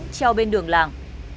treo bên đường làng